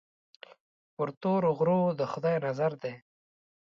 پر تورو غرو د خدای نظر دی.